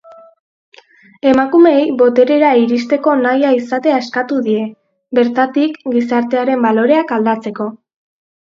Emakumeei boterera iristeko nahia izatea eskatu die, bertatik gizartearen baloreak aldatzeko.